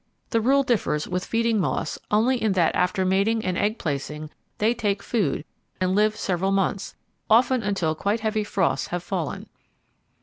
The rule differs with feeding moths only in that after mating and egg placing they take food and live several months, often until quite heavy frosts have fallen.